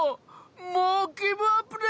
もうギブアップで！